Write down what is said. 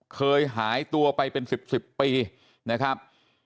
เคยหายตัวไปเป็นสิบสิบปีนะครับ